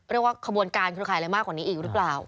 เรียกว่าขบวนการเครือข่ายอะไรมากกว่านี้อีกหรือเปล่า